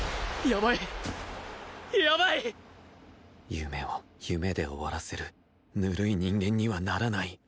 夢を夢で終わらせるぬるい人間にはならない。